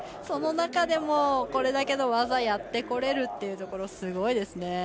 その中でもこれだけの技をやってこれるところすごいですね。